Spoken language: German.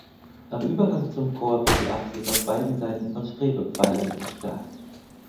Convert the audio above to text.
Am Übergang zum Chor wird die Apsis auf beiden Seiten von Strebepfeilern verstärkt.